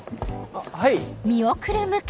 あっはい！